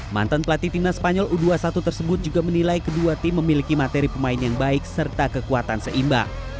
mantan pelatih timnas spanyol u dua puluh satu tersebut juga menilai kedua tim memiliki materi pemain yang baik serta kekuatan seimbang